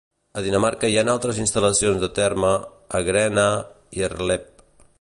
A Dinamarca hi ha altres instal·lacions de Terma a Grenaa i Herlev.